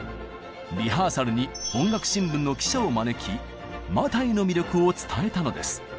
リハーサルに音楽新聞の記者を招き「マタイ」の魅力を伝えたのです。